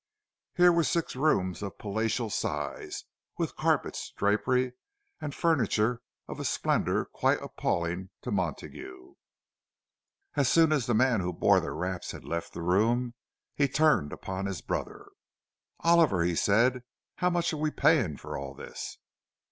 Here were six rooms of palatial size, with carpets, drapery, and furniture of a splendour quite appalling to Montague. As soon as the man who bore their wraps had left the room, he turned upon his brother. "Oliver," he said, "how much are we paying for all this?"